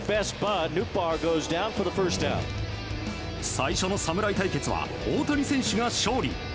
最初の侍対決は大谷選手が勝利。